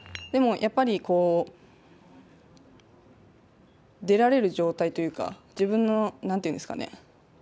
でもやっぱり出られる状態というか自分の何て言うんですかね。